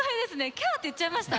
キャって言っちゃいました。